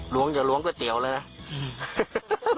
้วงอย่าล้วงก๋วยเตี๋ยวเลยนะ